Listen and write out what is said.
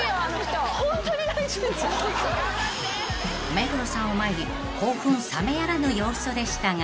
［目黒さんを前に興奮冷めやらぬ様子でしたが］